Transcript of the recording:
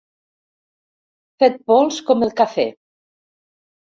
Fet pols com el cafè.